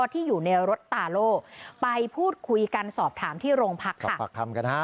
ที่อยู่ในรถตาโล่ไปพูดคุยกันสอบถามที่โรงพักสอบปากคำกันฮะ